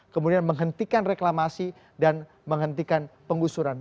kemudian menghentikan reklamasi dan menghentikan penggusuran